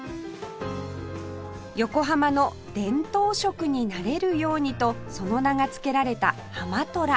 横浜の伝統食になれるようにとその名が付けられたハマトラ